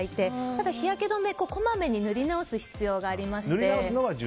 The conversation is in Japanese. ただ日焼け止めはこまめに塗りなおす必要がありまして。